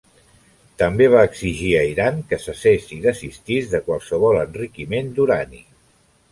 També va exigir a Iran que cessés i desistís de qualsevol enriquiment d'urani.